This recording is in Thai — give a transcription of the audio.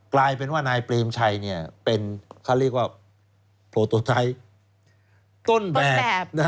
กลายเป็นว่านายเปรมชัยเนี่ยเป็นเขาเรียกว่าโพโตไทค์